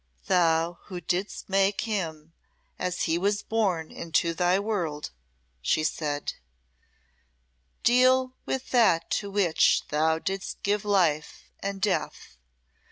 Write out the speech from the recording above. "Thou who didst make him as he was born into Thy world," she said, "deal with that to which Thou didst give life and death.